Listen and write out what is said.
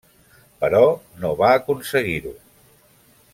Però, no va aconseguir-ho.